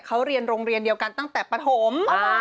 เขาเรียนโรงเรียนเดียวกันตั้งแต่ปฐม